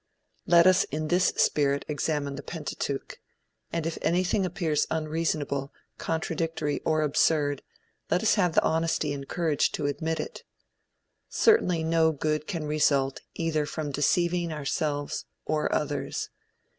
Let us in this spirit examine the Pentateuch; and if anything appears unreasonable, contradictory or absurd, let us have the honesty and courage to admit it. Certainly no good can result either from deceiving ourselves or others.